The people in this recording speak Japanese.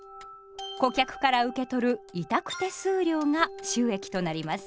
顧客から受け取る委託手数料が収益となります。